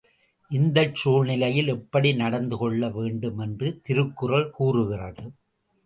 இந்தச் சூழ்நிலையில் எப்படி நடந்து கொள்ள வேண்டும் என்று திருக்குறள் கூறுகிறது?